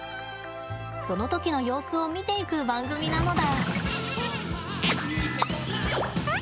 その時の様子を見ていく番組なのだ。